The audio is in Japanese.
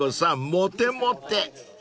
モテモテ］